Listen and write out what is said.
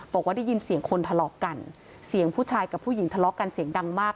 บอกว่าได้ยินเสียงคนทะเลาะกันเสียงผู้ชายกับผู้หญิงทะเลาะกันเสียงดังมาก